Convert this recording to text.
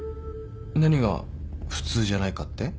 何が普通じゃないかって？